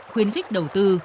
khuyến khích đầu tư